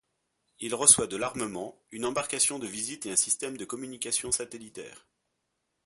Il reçoit de l'armement, une embarcation de visite et un système de communications satellitaire.